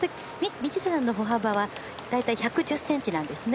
道下さんの歩幅は大体１１０ｃｍなんですね。